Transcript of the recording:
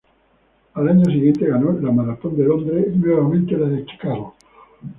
Al año siguiente ganó la maratón de Londres y nuevamente, la de Chicago.